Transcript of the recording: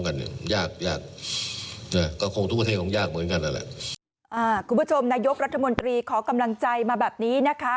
นายกรัฐมนตรีขอกำลังใจมาแบบนี้นะคะ